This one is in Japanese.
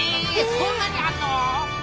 そんなにあんの！？